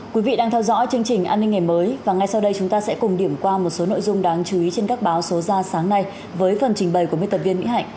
quý vị đang theo dõi chương trình an ninh ngày mới và ngay sau đây chúng ta sẽ cùng điểm qua một số nội dung đáng chú ý trên các báo số ra sáng nay với phần trình bày của biên tập viên mỹ hạnh